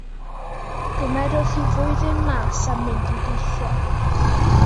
Gymerodd hi flwyddyn mas a mynd i deithio.